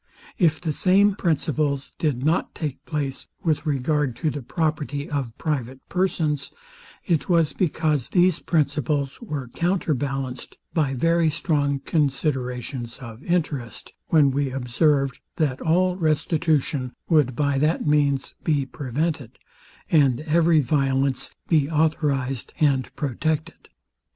If the same principles did not take place with regard to the property of private persons, it was because these principles were counter ballanced by very strong considerations of interest; when we observed, that all restitution would by that means be prevented, and every violence be authorized and protected.